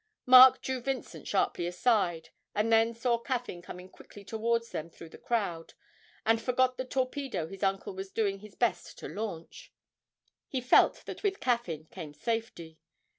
Mark drew Vincent sharply aside, and then saw Caffyn coming quickly towards them through the crowd, and forgot the torpedo his uncle was doing his best to launch: he felt that with Caffyn came safety.